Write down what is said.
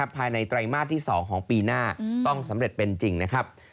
ไตรมาสที่๒ของปีหน้าต้องสำเร็จเป็นจริงนะครับ